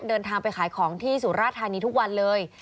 เดินทางไปขายของที่สุราธานีทุกวันเลย